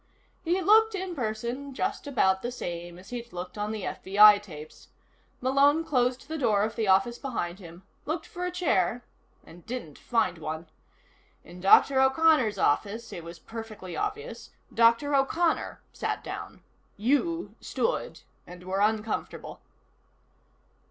He looked, in person, just about the same as he'd looked on the FBI tapes. Malone closed the door of the office behind him, looked for a chair and didn't find one. In Dr. O'Connor's office, it was perfectly obvious, Dr. O'Connor sat down. You stood, and were uncomfortable.